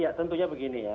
iya tentunya begini ya